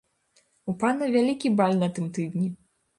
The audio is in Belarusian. У пана вялікі баль на тым тыдні.